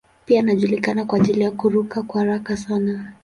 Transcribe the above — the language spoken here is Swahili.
Pia anajulikana kwa ajili ya kuruka kwa haraka sana.